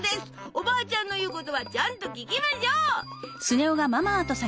おばあちゃんの言うことはちゃんと聞きましょう。